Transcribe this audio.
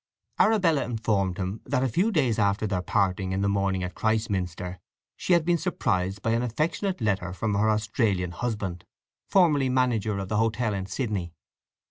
Arabella informed him that a few days after their parting in the morning at Christminster, she had been surprised by an affectionate letter from her Australian husband, formerly manager of the hotel in Sydney.